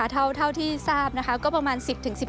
เท่าที่ทราบนะคะก็ประมาณ๑๐๑๕